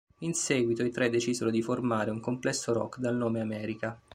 In seguito, i tre decisero di formare un complesso rock dal nome "America".